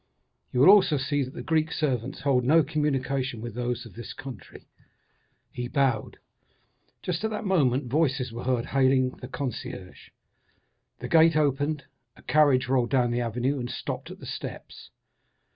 You will also see that the Greek servants hold no communication with those of this country." He bowed. Just at that moment voices were heard hailing the concierge. The gate opened, a carriage rolled down the avenue, and stopped at the steps.